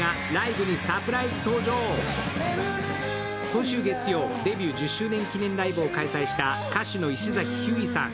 今週月曜、デビュー１０周年記念ライブを開催した歌手の石崎ひゅーいさん。